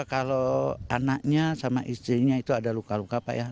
kalau anaknya sama istrinya itu ada luka luka pak ya